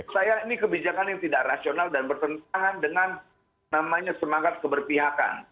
saya ini kebijakan yang tidak rasional dan bertentangan dengan namanya semangat keberpihakan